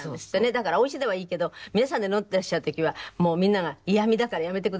だからおうちではいいけど皆さんで飲んでらっしゃる時はもうみんなが「嫌みだからやめてください」って。